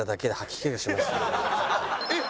えっ！